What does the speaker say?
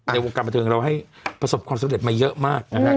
ในวงการประเทศเราให้ประสบความสำเร็จมาเยอะมาก